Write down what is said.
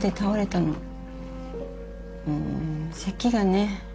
うーんせきがね